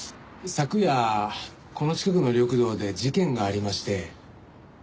昨夜この近くの緑道で事件がありまして。